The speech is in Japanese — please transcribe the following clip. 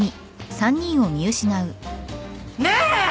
ねえ！